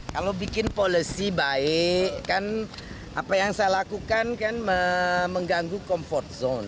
kalau bikin policy baik kan apa yang saya lakukan kan mengganggu comfort zone